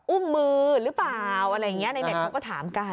อุ้มมือหรือเปล่าอะไรอย่างนี้ในเน็ตเขาก็ถามกัน